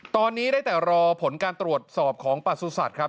ตอนนี้ได้แต่รอผลการตรวจสอบของประสุทธิ์ครับ